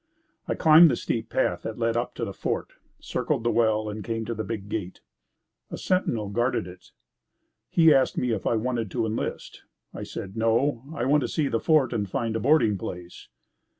I climbed the steep path that led up to the fort, circled the wall and came to the big gate. A sentinel guarded it. He asked me if I wanted to enlist. I said, "No, I want to see the fort, and find a boarding place."